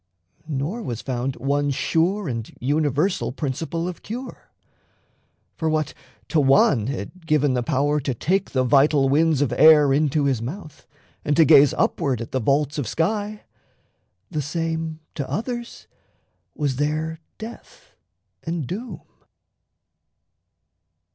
Nor was found one sure And universal principle of cure: For what to one had given the power to take The vital winds of air into his mouth, And to gaze upward at the vaults of sky, The same to others was their death and doom.